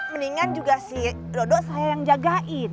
mendingan juga si dodo saya yang jagain